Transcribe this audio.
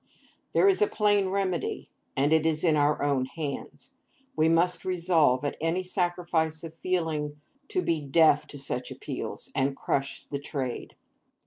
There is a plain remedy, and it is in our own hands. We must resolve, at any sacrifice of feeling, to be deaf to such appeals, and crush the trade.